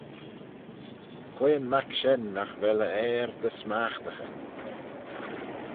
Quoi'n mac shen nagh vel e ayr dy smaghtaghey?